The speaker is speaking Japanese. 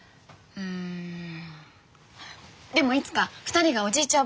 うんでもいつか２人がおじいちゃん